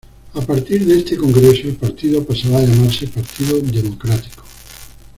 A partir de este congreso, el partido pasará a llamarse Partido Democrático.